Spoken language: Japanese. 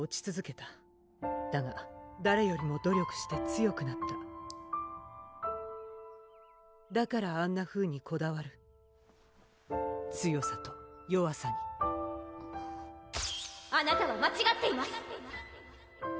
ただが誰よりも努力して強くなっただからあんなふうにこだわる強さと弱さにあなたは間ちがっています！